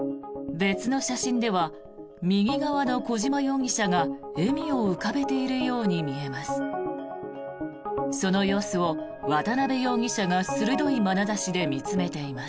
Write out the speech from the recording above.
別の写真では右側の小島容疑者が笑みを浮かべているように見えます。